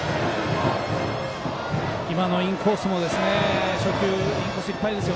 今のインコースも初球、インコースいっぱいです。